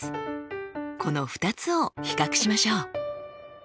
この２つを比較しましょう。